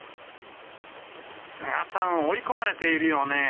菅さん、追い込まれているよね。